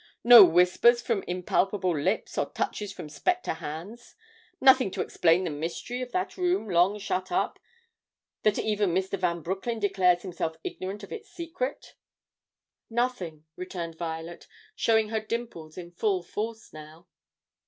"No whispers from impalpable lips or touches from spectre hands? Nothing to explain the mystery of that room long shut up that even Mr. Van Broecklyn declares himself ignorant of its secret?" "Nothing," returned Violet, showing her dimples in full force now.